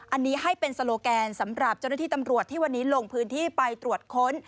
อันนี้ให้เป็นโซโลแกนสำหรับเจ้าหน้าที่ตำรวจที่วันนี้ลงพื้นที่ไปตรวจค้น